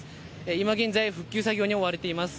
今現在、復旧作業に追われています。